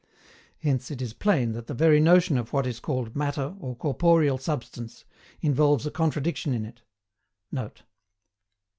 Hence, it is plain that the very notion of what is called MATTER or CORPOREAL SUBSTANCE, involves a contradiction in it.[Note.